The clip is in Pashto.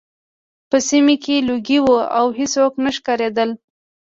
په سیمه کې لوګي وو او هېڅوک نه ښکارېدل